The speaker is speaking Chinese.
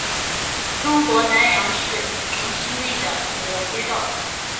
中国南阳市城区内的主要街道。